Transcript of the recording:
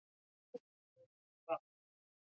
د نا شکره کلي والو قيصه :